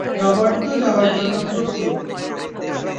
Roberto যাওয়ার জন্য প্রস্তুত।